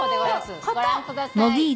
ご覧ください。